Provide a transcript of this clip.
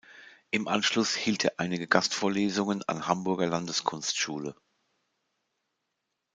Im Anschluss hielt er einige Gastvorlesungen an Hamburger Landeskunstschule.